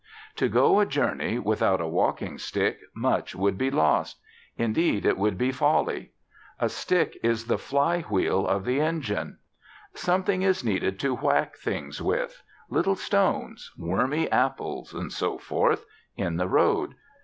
To go a journey without a walking stick much would be lost; indeed it would be folly. A stick is the fly wheel of the engine. Something is needed to whack things with, little stones, wormy apples, and so forth, in the road.